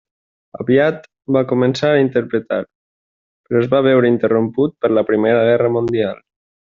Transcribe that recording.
Aviat va començar a interpretar, però es va veure interromput per la Primera Guerra Mundial.